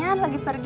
ya itu dong